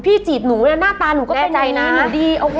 พี่จีบหนูน่ะหน้าตาหนูก็แบบนี้